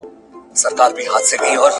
دا پاکوالي له هغه منظمه ده!